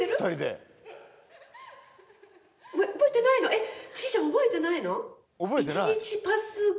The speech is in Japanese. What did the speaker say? えっちーちゃん覚えてないの？